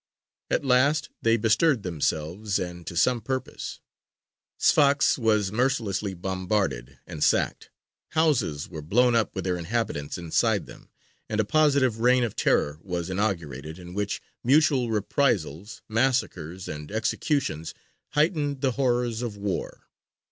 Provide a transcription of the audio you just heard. At last they bestirred themselves, and to some purpose. Sfax was mercilessly bombarded and sacked, houses were blown up with their inhabitants inside them, and a positive reign of terror was inaugurated, in which mutual reprisals, massacres, and executions heightened the horrors of war.